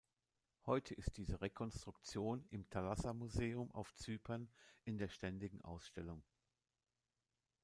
Heute ist diese Rekonstruktion im Thalassa Museum auf Zypern in der ständigen Ausstellung.